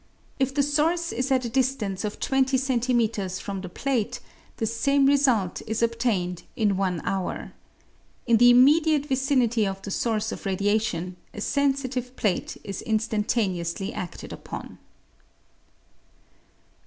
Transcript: If the source is at a distance of 20 cm. from the plate, the same result is obtained in one hour. In the immediate vicinity of the source of radiation, a sensitive plate is instantaneously aded upon.